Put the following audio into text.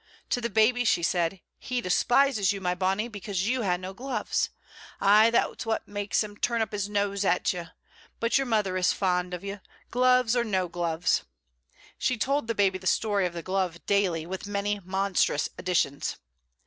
To the baby she said: "He despises you, my bonny, because you hae no gloves. Ay, that's what maks him turn up his nose at you. But your mother is fond o' you, gloves or no gloves." She told the baby the story of the glove daily, with many monstrous additions.